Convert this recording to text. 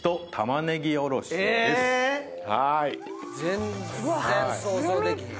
全然想像できひん。